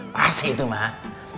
pasti itu mbak